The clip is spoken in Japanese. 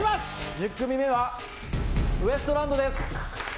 １０組目は、ウエストランドです。